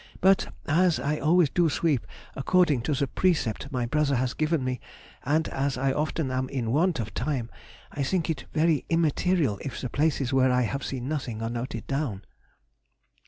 But as I always do sweep according to the precept my brother has given me, and as I often am in want of time, I think it is very immaterial if the places where I have seen nothing are noted down.